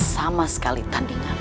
sama sekali tandingan